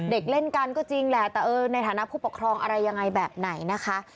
เด็กเล่นกันก็จริงแหละแต่เออในฐานะผู้ปกครองอะไรยังไงแบบไหนนะคะ